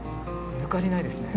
抜かりないですね。